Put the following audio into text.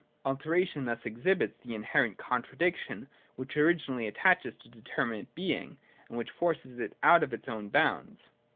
Alteration thus exhibits the inherent contradiction which originally attaches to determinate being, and which forces it out of its own bounds.